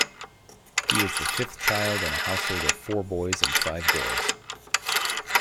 He was the fifth child in a household of four boys and five girls.